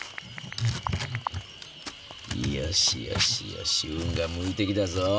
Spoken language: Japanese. よしよしよし運が向いてきたぞ。